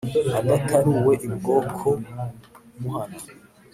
Adataruwe I bwoko muhana.